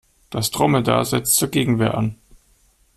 Das Dromedar setzt zur Gegenwehr an.